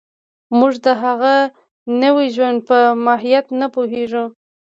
موږ د هغه نوي ژوند په ماهیت نه پوهېږو